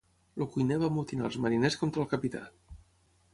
El cuiner va amotinar els mariners contra el capità.